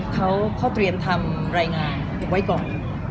เขาเตรียมทำรายงานไว้ก่อน